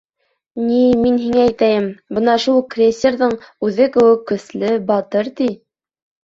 Ни, мин һиңә әйтәйем, бына шул крейсерҙың үҙе кеүек көслө, батыр, ти.